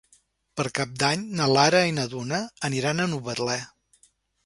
Per Cap d'Any na Lara i na Duna aniran a Novetlè.